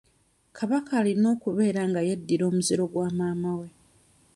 Kabaka alina kubeera nga yeddira muziro gwa maama we.